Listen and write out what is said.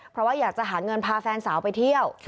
เพราะว่าอยากจะหาเงินพาแฟนสาวไปเที่ยว